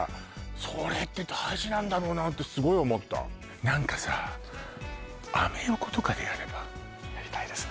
それって大事なんだろうなってすごい思った何かさやりたいですね